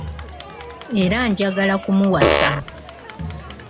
Era ngyagala kumuwasa.